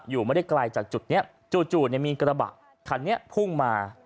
อยู่ไม่ได้ไกลจากจุดนี้จู่มีกระบะคันนี้พุ่งมา